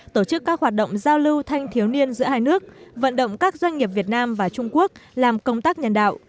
tổ chức các hoạt động giao lưu thanh thiếu niên giữa hai nước vận động các doanh nghiệp việt nam và trung quốc làm công tác nhân đạo